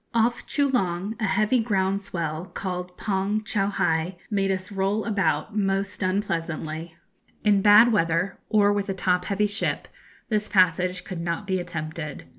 Off Choolong a heavy ground swell, called 'Pon choughai,' made us roll about most unpleasantly. In bad weather, or with a top heavy ship, this passage could not be attempted.